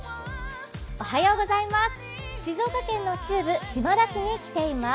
静岡県の中部・島田市に来ています。